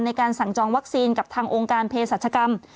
ในการสั่งจองวัคซีนกับทางองค์การเพศรัชกรรม